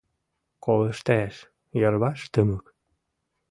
Колыштеш: йырваш тымык.